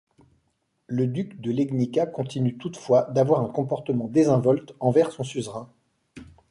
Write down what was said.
Le duc de Legnica continue toutefois d'avoir un comportement désinvolte envers son suzerain.